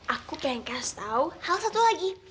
aku pengen kasih tahu hal satu lagi